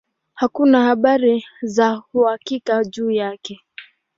Hakuna habari za uhakika juu yake.